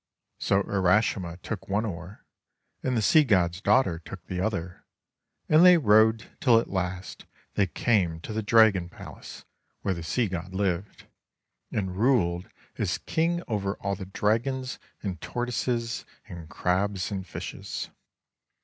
So Urashima took one oar, and the Sea God's daughter took the other, and they rowed till at last they came to the Dragon Palace where the Sea God lived, and ruled as king over all the dragons and tortoises and crabs and fishes.